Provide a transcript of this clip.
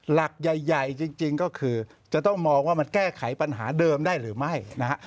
หลักใหญ่จริงก็คือจะต้องมองว่ามันแก้ไขปัญหาเดิมได้หรือไม่นะฮะ